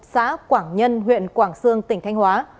xã quảng nhân huyện quảng sương tỉnh thanh hóa